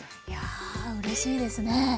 いやうれしいですね！